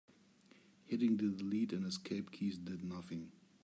Hitting the delete and escape keys did nothing.